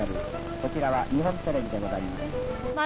こちらは日本テレビでございます。